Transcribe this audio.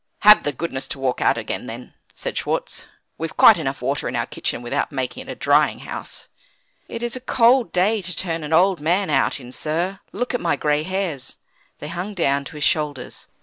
"Have the goodness to walk out again, then," said Schwartz. "We've quite enough water in our kitchen, without making it a drying house." "It is a cold day to turn an old man out in, sir; look at my gray hairs." They hung down to his shoulders.